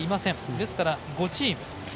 ですから、５チーム。